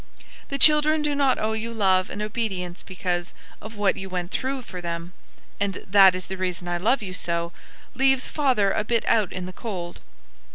The children do not owe you love and obedience because of "what you went through for them," and "that is the reason I love you so" leaves father a bit out in the cold.